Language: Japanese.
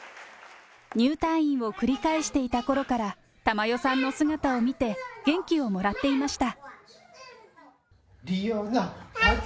入退院を繰り返していたころから、珠代さんの姿を見て元気をもらっていました。